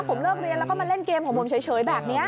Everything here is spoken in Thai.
ผมเลิกเรียนแล้วก็มาเล่นเกมของผมเฉยแบบนี้